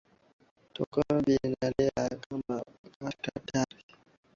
toucan ya billed keel ni mbali na hatari